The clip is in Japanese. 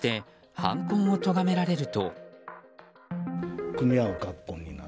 犯行をとがめられると。